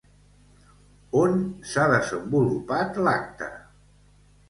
On s'ha desenvolupat l'acte?